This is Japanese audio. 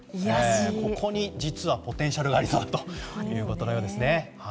ここに、実はポテンシャルがありそうだということですね。